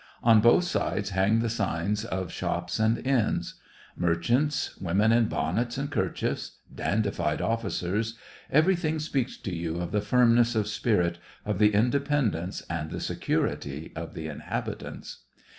On both sides hang the signs of shops and inns. Merchants, women in bonnets and kerchiefs, dandified officers, — everything speaks to you of the firmness of spirit, of the independence and the security of the inhabitants.